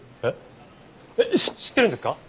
えっ知ってるんですか？